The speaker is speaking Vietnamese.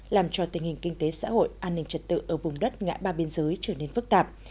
làm cho tình hình kinh tế xã hội an ninh trật tự ở vùng đất ngã ba biên giới trở nên phức tạp